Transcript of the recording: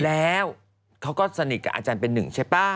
แล้วเขาก็สนิทกับอาจารย์เป็นหนึ่งใช่ป่ะ